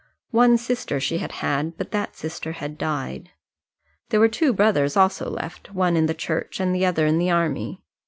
One sister she had had, but that sister had died. There were two brothers also left, one in the Church and the other in the army.